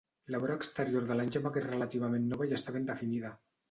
La vora exterior del Langemak és relativament nova i està ben definida.